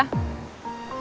mending kita berdua ngemil aja